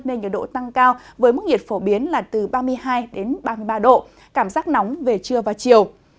nên nhiệt độ tăng cao với mức nhiệt phổ biến là từ ba mươi hai ba mươi ba độ cảm giác nóng về trưa và chiều